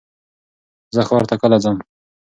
زه ښار ته کله ځم؟